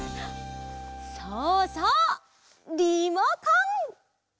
そうそうリモコン！